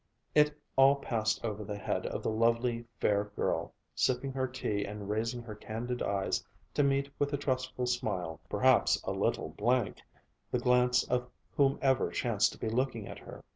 It all passed over the head of the lovely, fair girl, sipping her tea and raising her candid eyes to meet with a trustful smile, perhaps a little blank, the glance of whomever chanced to be looking at her.